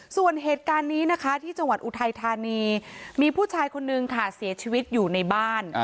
ส่วนเหตุการณ์นี้นะคะที่จังหวัดอุทัยธานีมีผู้ชายคนนึงค่ะเสียชีวิตอยู่ในบ้าน